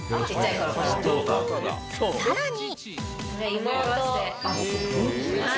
［さらに］